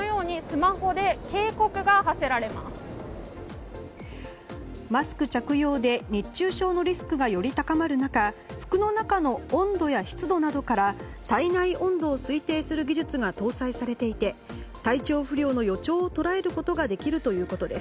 マスク着用で熱中症のリスクが、より高まる中服の中の温度や湿度などから体内温度を推定する技術が搭載されていて体調不良の予兆を捉えることができるということです。